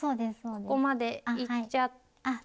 ここまでいっちゃって。